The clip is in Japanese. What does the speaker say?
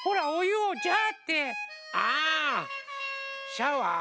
シャワー？